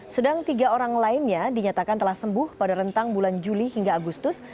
sedang tiga orang lainnya dinyatakan telah sembuh pada rentang bulan juli hingga agustus